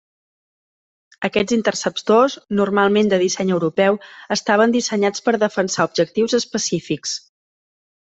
Aquests interceptors, normalment de disseny europeu, estaven dissenyats per defensar objectius específics.